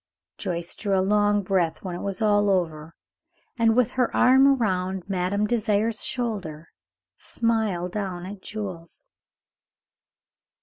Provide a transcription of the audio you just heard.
Joyce drew a long breath when it was all over, and, with her arm around Madame Désiré's shoulder, smiled down at Jules.